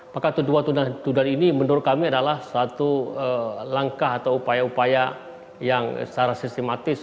maka tuduhan tuduhan tuduhan ini menurut kami adalah suatu langkah atau upaya upaya yang secara sistematis